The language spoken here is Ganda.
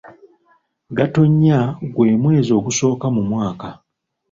Gatonnya gwe mwezi ogusooka mu mwaka